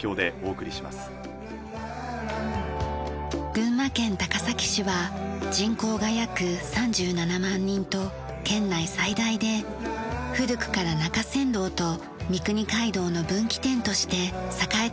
群馬県高崎市は人口が約３７万人と県内最大で古くから中山道と三国街道の分岐点として栄えた町です。